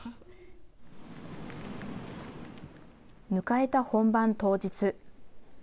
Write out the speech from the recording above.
迎えた本番当日。